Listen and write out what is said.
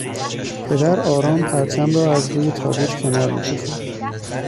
پدر آرام پرچم را از روی تابوت کنار میکشد